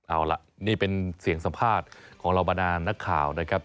เอาล่ะนี่เป็นเสียงสัมภาษณ์ของเหล่าบรรดานนักข่าวนะครับ